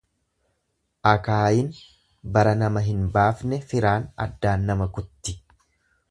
Akaayin bara nama hin baafne firaan addaan nama kutti.